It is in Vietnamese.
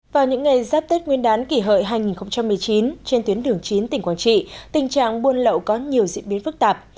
vào những ngày giáp tết nguyên đán kỷ hợi hai nghìn một mươi chín trên tuyến đường chín tỉnh quảng trị tình trạng buôn lậu có nhiều diễn biến phức tạp